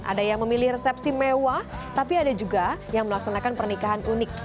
ada yang memilih resepsi mewah tapi ada juga yang melaksanakan pernikahan unik